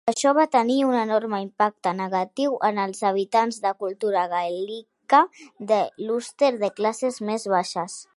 Això va tenir un enorme impacte negatiu en els habitants de cultura gaèlica de l'Ulster de classes més baixes.